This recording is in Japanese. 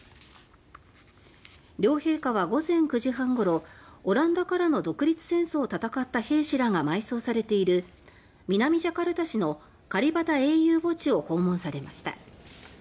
両陛下は、午前９時半ごろオランダからの独立戦争を闘った兵士らが埋葬されている南ジャカルタ市のカリバタ英雄墓地を訪問されました。